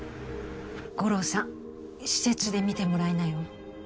吾良さん施設で見てもらいなよ。